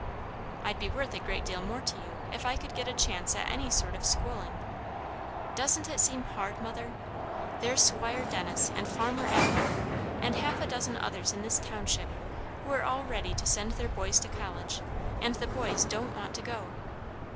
"I'd be worth a great deal more to you if I could get a chance at any sort of schooling. Doesn't it seem hard, Mother? There's Squire Dennis and Farmer Atwater, and half a dozen others in this township, who are all ready to send their boys to college, and the boys don't want to go!